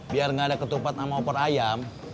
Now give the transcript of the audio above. biar nggak ada ketupat sama opor ayam